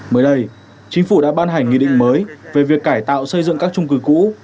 mới đây chính phủ đã ban hành nghị định mới về việc cải tạo xây dựng các trung cư cũ